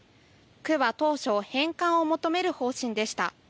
区は当初、返還を求める方針でした。